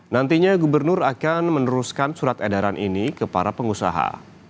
nantinya gubernur akan meneruskan surat edaran ini ke para pengusaha